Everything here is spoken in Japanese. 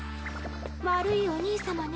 悪いお兄さまね。